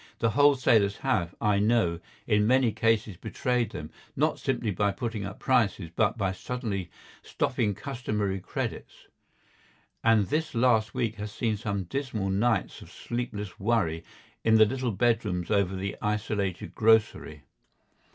The wholesalers have, I know, in many cases betrayed them, not simply by putting up prices, but by suddenly stopping customary credits, and this last week has seen some dismal nights of sleepless worry in the little bedrooms over the isolated grocery.